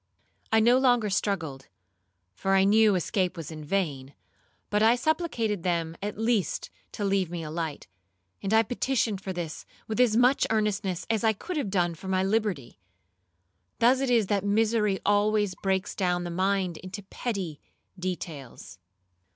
I no longer struggled, for I knew escape was in vain, but I supplicated them at least to leave me a light; and I petitioned for this with as much earnestness as I could have done for my liberty. Thus it is that misery always breaks down the mind into petty details.